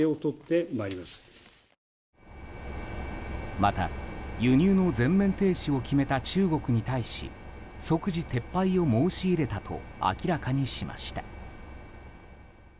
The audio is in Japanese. また、輸入の全面停止を決めた中国に対し即時撤廃を申し入れたと明らかにしました。